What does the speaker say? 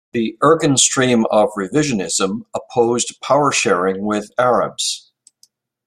The Irgun stream of Revisionism opposed power-sharing with Arabs.